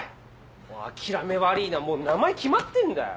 お前諦め悪いなもう名前決まってんだよ」